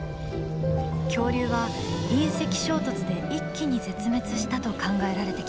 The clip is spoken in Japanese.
恐竜は隕石衝突で一気に絶滅したと考えられてきた。